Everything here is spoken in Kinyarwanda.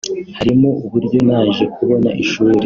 harimo uburyo naje kubona ishuli